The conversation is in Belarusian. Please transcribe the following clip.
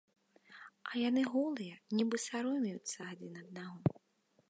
А яны голыя, нібы саромеюцца адзін аднаго.